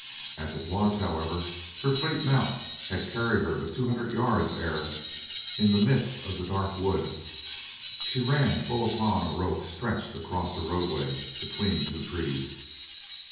As it was, however, her fleet mount had carried her but two hundred yards ere, in the midst of the dark wood, she ran full upon a rope stretched across the roadway between two trees.